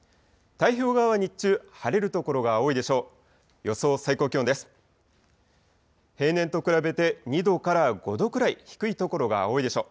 太平洋側は日中、晴れる所が多いでしょう。